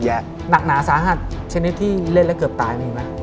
หนักหนาสาหัสชนิดที่เล่นแล้วเกือบตายมีไหม